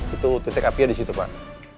itu titik api nya di situ pak